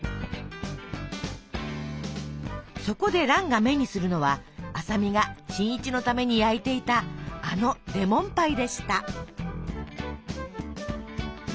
そこで蘭が目にするのは麻美が新一のために焼いていたあのレモンパイでした。